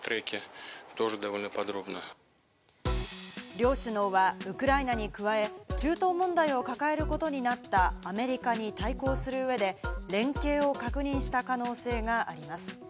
両首脳はウクライナに加え、中東問題を抱えることになったアメリカに対抗する上で、連携を確認した可能性があります。